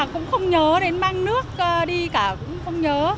cũng không nhớ đến mang nước đi cả cũng không nhớ